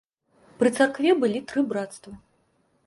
Пры царкве былі тры брацтвы.